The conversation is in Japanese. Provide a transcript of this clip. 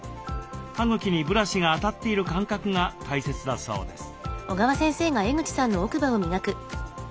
歯茎にブラシが当たっている感覚が大切だそうです。